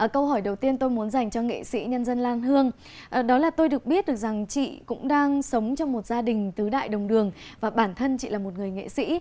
câu hỏi đầu tiên tôi muốn dành cho nghệ sĩ nhân dân lan hương đó là tôi được biết được rằng chị cũng đang sống trong một gia đình tứ đại đồng đường và bản thân chị là một người nghệ sĩ